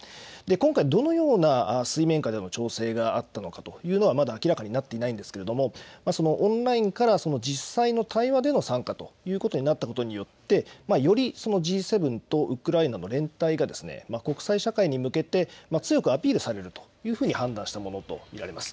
今回どのような水面下での調整があったのかというのはまだ明らかになっていないんですけれどもオンラインから実際の対話での参加ということになったことによってよりＧ７とウクライナの連帯が国際社会に向けて強くアピールされるというふうに判断したものと見られます。